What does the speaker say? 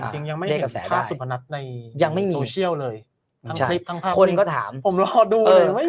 แต่จริงยังไม่เห็นภาพสุพนัทในโซเชียลเลยทั้งคลิปทั้งภาพผมรอดูเลยไม่มี